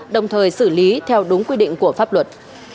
đồng thời xử lý theo đúng quy định của pháp luật